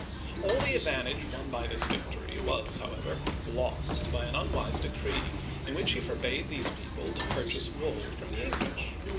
All the advantage won by this victory was, however, lost by an unwise decree, in which he forbade these people to purchase wool from the English.